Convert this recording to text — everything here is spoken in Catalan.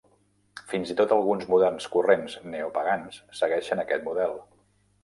Fins i tot alguns moderns corrents neopagans segueixen aquest model.